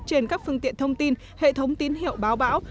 trên các phương tiện thông tin hệ thống tín hiệu báo bão